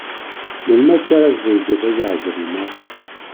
Melmi akka ara tzewǧeḍ ay aɛezri-nneɣ?